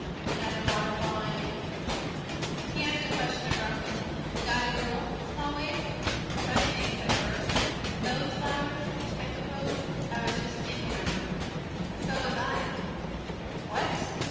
"Another waterfall I knew." He asked a question abruptly. "Got a girl, Smallways?" "Funny thing," said Bert, "those flowers, I suppose. I was jes' thinking of 'er." "So was I." "WHAT!